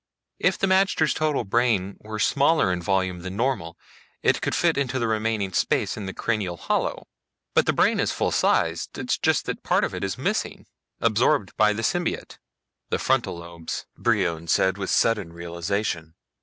"If the magter's total brain were smaller in volume than normal it could fit into the remaining space in the cranial hollow. But the brain is full sized it is just that part of it is missing, absorbed by the symbiote." "The frontal lobes," Brion said with sudden realization.